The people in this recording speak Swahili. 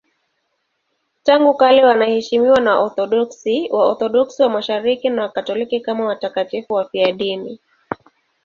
Tangu kale wanaheshimiwa na Waorthodoksi, Waorthodoksi wa Mashariki na Wakatoliki kama watakatifu wafiadini.